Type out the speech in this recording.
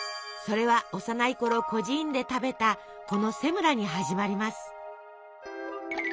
それは幼いころ孤児院で食べたこのセムラに始まります。